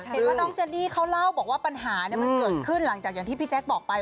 เห็นว่าน้องเจนี่เขาเล่าบอกว่าปัญหามันเกิดขึ้นหลังจากอย่างที่พี่แจ๊คบอกไป